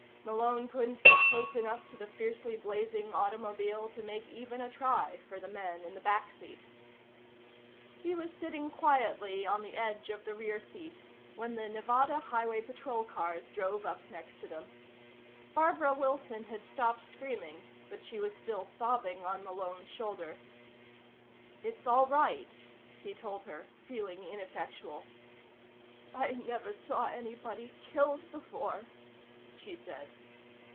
Malone couldn't get close enough to the fiercely blazing automobile to make even a try for the men in the back seat. He was sitting quietly on the edge of the rear seat when the Nevada Highway Patrol cars drove up next to them. Barbara Wilson had stopped screaming, but she was still sobbing on Malone's shoulder. "It's all right," he told her, feeling ineffectual. "I never saw anybody killed before," she said.